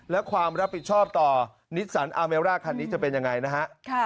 และความรับผิดชอบต่อนิสสันอาเมร่าคันนี้จะเป็นยังไงนะฮะ